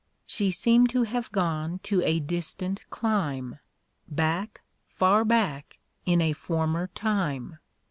She seemed to have gone to a distant cllmc. Back, far back, in a former time.